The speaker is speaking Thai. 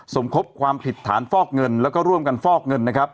สมคบความผิดฐานฟอกเงินแล้วก็ร่วมกันฟอกเงินนะครับ